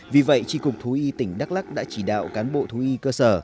vì vậy tri cục thú y tỉnh đắk lắc đã chỉ đạo cán bộ thú y cơ sở